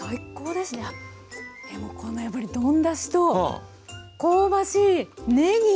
でもこのやっぱり丼だしと香ばしいねぎ！